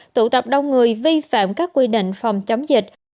tụ tập đông người vi phạm các quy định phòng chống dịch